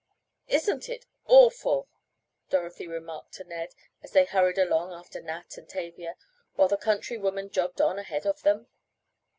"Isn't it awful!" Dorothy remarked to Ned, as they hurried along after Nat and Tavia, while the country woman jogged on ahead of them.